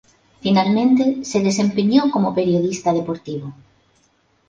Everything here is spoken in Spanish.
Finalmente se desempeñó como periodista deportivo.